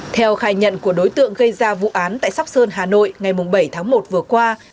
theo khai nhận của đối tượng gây ra vụ án tại sóc sơn hà nội ngày bảy tháng một vừa qua